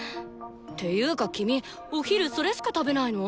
ていうか君お昼それしか食べないの？